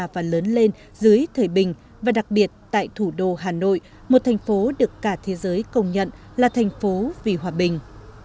và lớn lên dưới thời bình và đặc biệt tại thủ đô hà nội một thành phố được cả thế giới công nhận là thành phố vì hòa bình